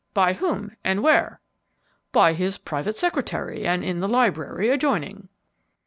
By whom? and where?" "By his private secretary, and in the library adjoining."